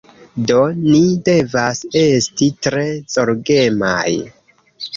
Do, ni devas esti tre zorgemaj